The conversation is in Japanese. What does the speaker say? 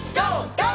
ＧＯ！